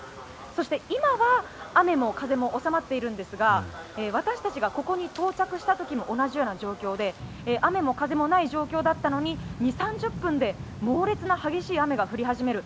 そして、今は雨も風も収まっているんですが私たちがここに到着した時も同じような状況で雨も風もない状況だったのに２０３０分で猛烈な激しい雨が降り始める。